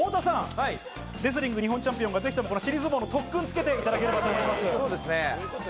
レスリング日本チャンピオンの太田さん、特訓をつけていただければと思います。